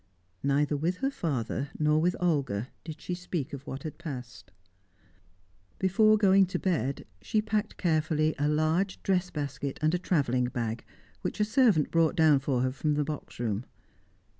Neither with her father, nor with Olga, did she speak of what had passed. Before going to bed, she packed carefully a large dress basket and a travelling bag, which a servant brought down for her from the box room.